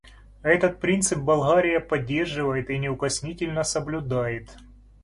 Этот принцип Болгария поддерживает и неукоснительно соблюдает.